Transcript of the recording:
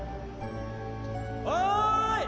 おい！